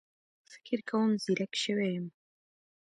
فکر کوم ځيرک شوی يم